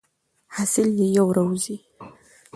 حاصل یې یو را وزي.